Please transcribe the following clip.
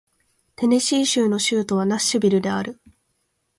テネシー州の州都はナッシュビルである